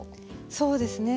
そうですね